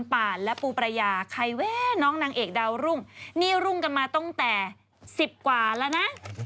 ป่านและปูประยาใครแวะน้องนางเอกดาวรุ่งนี่รุ่งกันมาตั้งแต่๑๐กว่าแล้วนะ